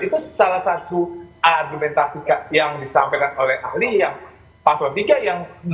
itu salah satu argumentasi yang disampaikan oleh ahli yang pasal tiga yang